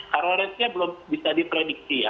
kalau rangenya belum bisa diprediksi ya